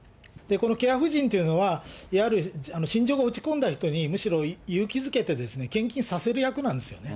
このケア婦人というのは、いわゆる心情が落ち込んだ人に、むしろ勇気づけて、献金させる役なんですよね。